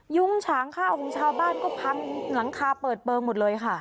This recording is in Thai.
ยุ้งฉางข้าวของชาวบ้านก็พังหลังคาเปิดเปลืองหมดเลยค่ะ